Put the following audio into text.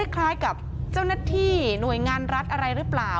คล้ายกับเจ้าหน้าที่หน่วยงานรัฐอะไรหรือเปล่า